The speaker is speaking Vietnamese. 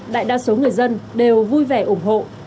đại đa số người dân đều vui vẻ ủng hộ